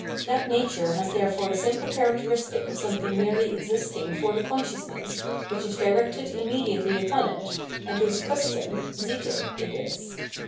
That nature has therefore the simple characteristic of something merely existing for the consciousness which is directed immediately upon it, and whose "custom" (Sitte) it is.